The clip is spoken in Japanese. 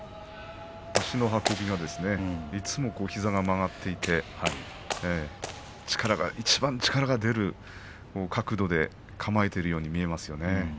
足の運びもいつも膝が曲がっていて力がいちばん出る角度で構えているように見えますね。